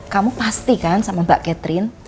kamu pasti kan sama mbak catherine